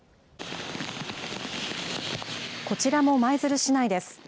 こちらも舞鶴市内です。